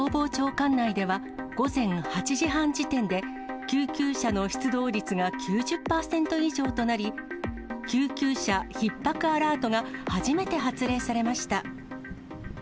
管内では、午前８時半時点で救急車の出動率が９０％以上となり、救急車ひっ迫アラートが初めて発令されました。